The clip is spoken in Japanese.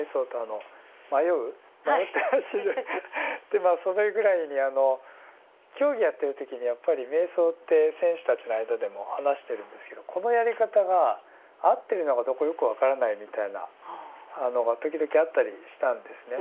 でまあそれぐらいに競技やってる時にやっぱり瞑想って選手たちの間でも話してるんですけどこのやり方が合ってるのかどうかよく分からないみたいなのが時々あったりしたんですね。